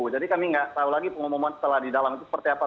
jadi kami enggak tahu lagi pengumuman setelah di dalam itu seperti apa